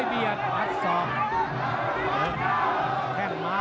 เผ่าฝั่งโขงหมดยก๒